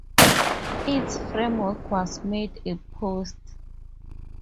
Its framework was made of posts.